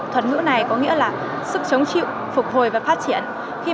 thuật ngữ này có nghĩa là sức chống chịu phục hồi và phát triển